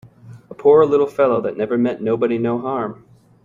A poor little fellow that never meant nobody no harm!